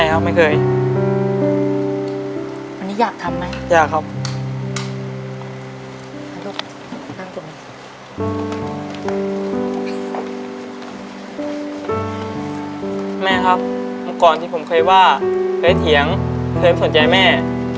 แล้วเล็มสนใจแม่